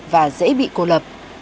và dễ bị cô lập